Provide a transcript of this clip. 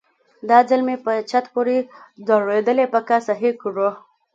دا ځل مې په چت پورې ځړېدلې پکه سهي کړه.